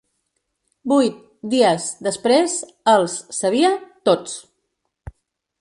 Vuit, dies, després, els, sabia, tots.